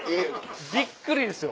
びっくりですよ。